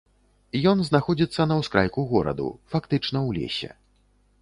Ён знаходзіцца на ўскрайку гораду, фактычна ў лесе.